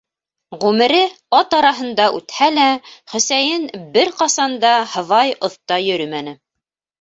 Ғүмере ат араһында үтһә лә, Хөсәйен бер ҡасан да һыбай оҫта йөрөмәне.